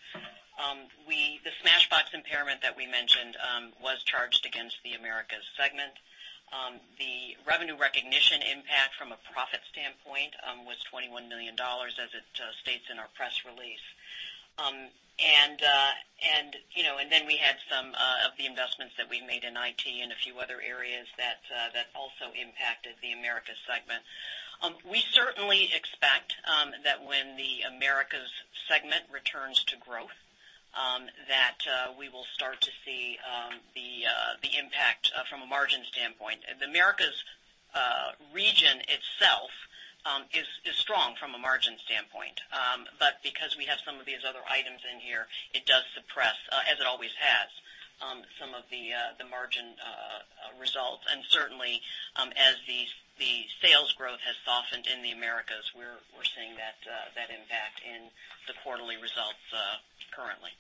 the Smashbox impairment that we mentioned, was charged against the Americas segment. The revenue recognition impact from a profit standpoint, was $21 million, as it states in our press release. We had some of the investments that we made in IT and a few other areas that also impacted the Americas segment. We certainly expect that when the Americas segment returns to growth, that we will start to see the impact from a margin standpoint. The Americas region itself is strong from a margin standpoint. Because we have some of these other items in here, it does suppress, as it always has, some of the margin results. Certainly, as the sales growth has softened in the Americas, we're seeing that impact in the quarterly results currently.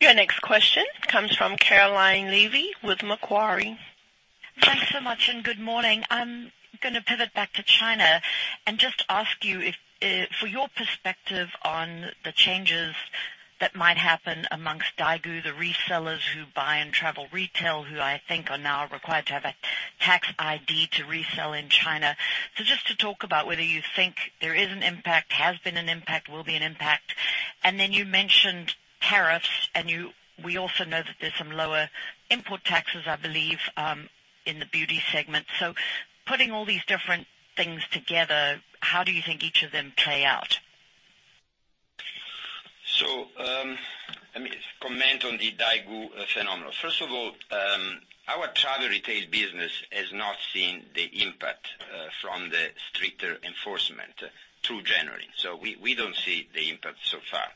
Your next question comes from Caroline Levy with Macquarie. Thanks so much, good morning. I'm going to pivot back to China and just ask you for your perspective on the changes that might happen amongst Daigou, the resellers who buy in travel retail, who I think are now required to have a tax ID to resell in China. Just to talk about whether you think there is an impact, has been an impact, will be an impact. You mentioned tariffs, and we also know that there's some lower input taxes, I believe, in the beauty segment. Putting all these different things together, how do you think each of them play out? Let me comment on the Daigou phenomenon. First of all, our travel retail business has not seen the impact from the stricter enforcement through January. We don't see the impact so far.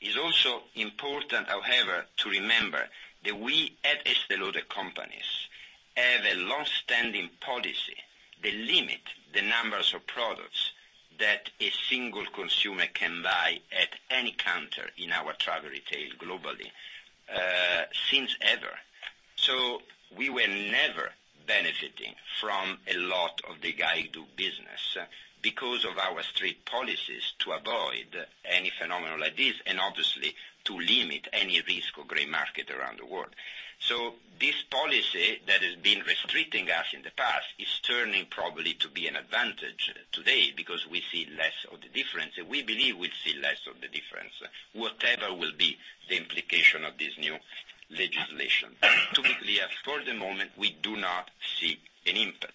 It's also important, however, to remember that we at The Estée Lauder Companies have a long-standing policy that limit the numbers of products that a single consumer can buy at any counter in our travel retail globally, since ever. We were never benefiting from a lot of the Daigou business because of our strict policies to avoid any phenomenon like this, and obviously to limit any risk of gray market around the world. This policy that has been restricting us in the past is turning probably to be an advantage today because we see less of the difference. We believe we'll see less of the difference, whatever will be the implication of this new legislation. To be clear, for the moment, we do not see an impact.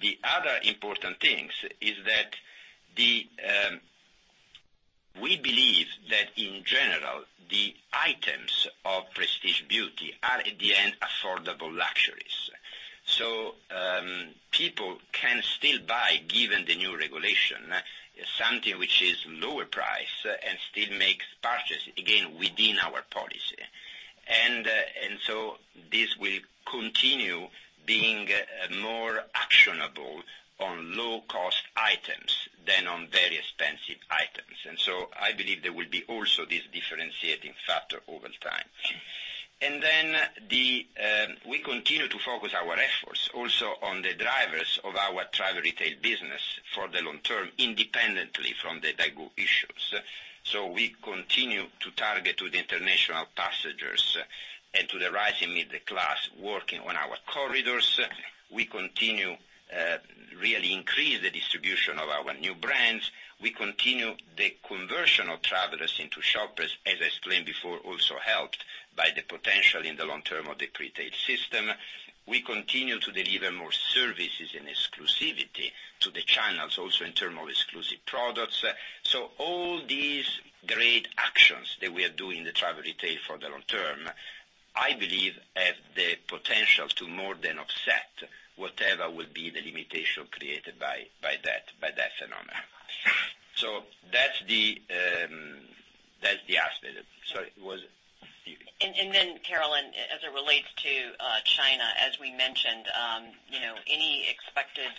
The other important thing is that we believe that in general, the items of prestige beauty are at the end affordable luxuries. People can still buy, given the new regulation, something which is lower price and still make purchase, again, within our policy. This will continue being more actionable on low-cost items than on very expensive items. I believe there will be also this differentiating factor over time. We continue to focus our efforts also on the drivers of our travel retail business for the long term, independently from the Daigou issues. We continue to target to the international passengers and to the rising middle class working on our corridors. We continue really increase the distribution of our new brands. We continue the conversion of travelers into shoppers, as I explained before, also helped by the potential in the long term of the pretail system. We continue to deliver more services and exclusivity to the channels also in term of exclusive products. All these great actions that we are doing in the travel retail for the long term, I believe have the potential to more than offset whatever will be the limitation created by that phenomenon. That's the aspect. Sorry, it was? Caroline, as it relates to China, as we mentioned, any expected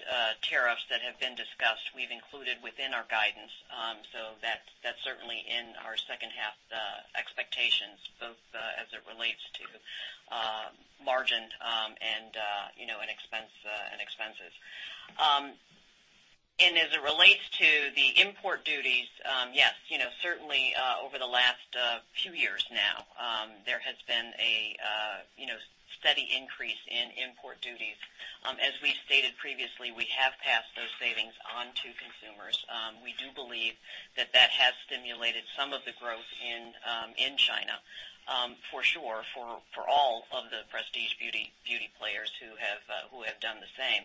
tariffs that have been discussed, we've included within our guidance. That's certainly in our second half expectations, both as it relates to gross margin and expenses. As it relates to the import duties, yes, certainly over the last few years now, there has been a steady increase in import duties. As we stated previously, we have passed those savings on to consumers. We do believe that that has stimulated some of the growth in China, for sure, for all of the prestige beauty players who have done the same.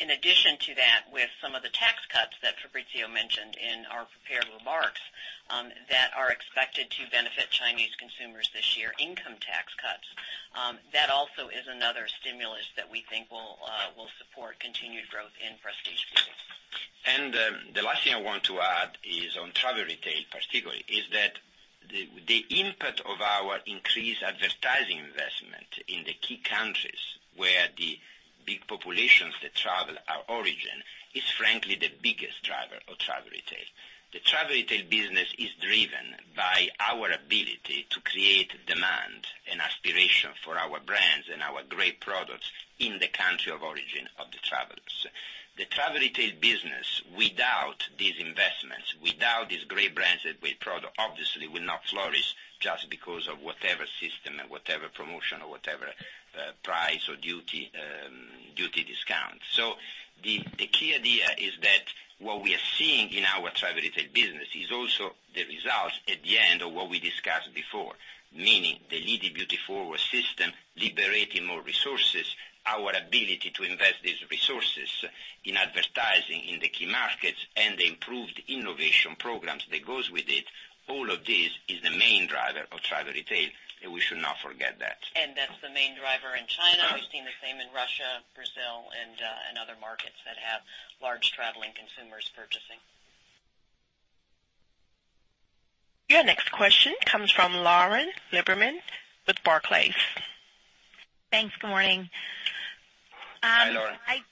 In addition to that, with some of the tax cuts that Fabrizio mentioned in our prepared remarks that are expected to benefit Chinese consumers this year, income tax cuts, that also is another stimulus that we think will support continued growth in prestige beauty. The last thing I want to add is on travel retail, particularly, is that the input of our increased advertising investment in the key countries where the big populations that travel our origin is frankly the biggest driver of travel retail. The travel retail business is driven by our ability to create demand and aspiration for our brands and our great products in the country of origin of the travellers. The travel retail business, without these investments, without these great brands and great product, obviously will not flourish just because of whatever system and whatever promotion or whatever price or duty discount. The key idea is that what we are seeing in our travel retail business is also the results at the end of what we discussed before, meaning the Leading Beauty Forward system liberating more resources, our ability to invest these resources in advertising in the key markets, and the improved innovation programs that goes with it. All of this is the main driver of travel retail, and we should not forget that. That's the main driver in China. We've seen the same in Russia, Brazil, and other markets that have large travelling consumers purchasing. Your next question comes from Lauren Lieberman with Barclays. Thanks. Good morning. Hi, Lauren. Hi.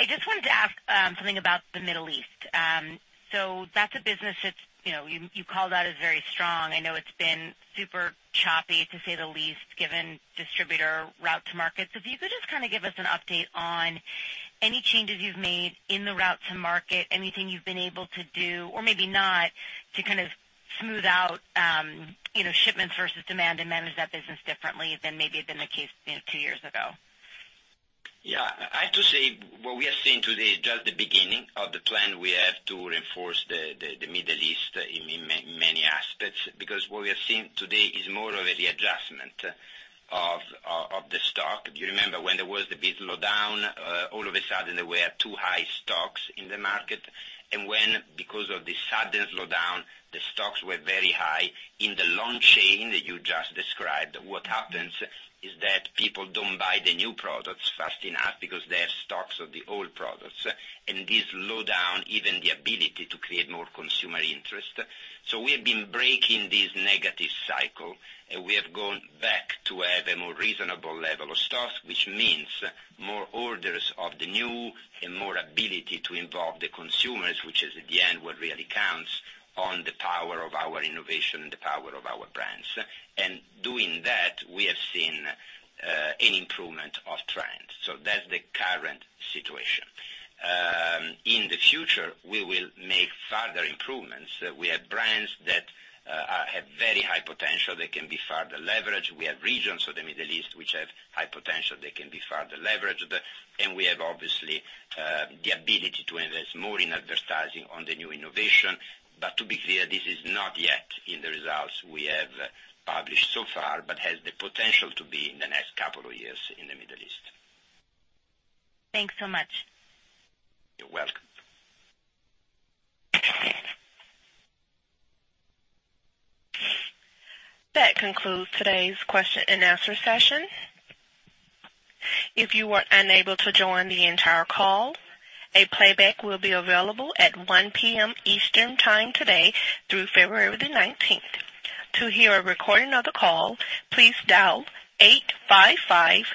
I just wanted to ask something about the Middle East. That's a business that you called out as very strong. I know it's been super choppy, to say the least, given distributor route to market. If you could just give us an update on any changes you've made in the route to market, anything you've been able to do or maybe not to kind of smooth out shipments versus demand and manage that business differently than maybe had been the case two years ago. Yeah. I have to say, what we are seeing today, just the beginning of the plan, we have to reinforce the Middle East in many aspects because what we are seeing today is more of a readjustment of the stock. Do you remember when there was the big slowdown? All of a sudden, there were too high stocks in the market. When, because of the sudden slowdown, the stocks were very high in the long chain that you just described, what happens is that people don't buy the new products fast enough because they have stocks of the old products, and this slowdown even the ability to create more consumer interest. We have been breaking this negative cycle, we have gone back to have a more reasonable level of stock, which means more orders of the new and more ability to involve the consumers, which is, at the end, what really counts on the power of our innovation and the power of our brands. Doing that, we have seen an improvement of trends. That's the current situation. In the future, we will make further improvements. We have brands that have very high potential that can be further leveraged. We have regions of the Middle East which have high potential that can be further leveraged. We have, obviously, the ability to invest more in advertising on the new innovation. To be clear, this is not yet in the results we have published so far but has the potential to be in the next couple of years in the Middle East. Thanks so much. You're welcome. That concludes today's question and answer session. If you were unable to join the entire call, a playback will be available at 1:00 P.M. Eastern time today through February the 19th. To hear a recording of the call, please dial 855-859-2056.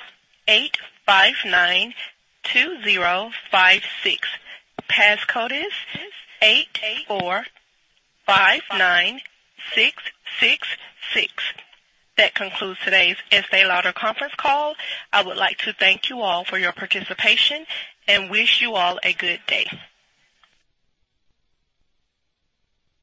The passcode is 88459666. That concludes today's Estée Lauder conference call. I would like to thank you all for your participation and wish you all a good day.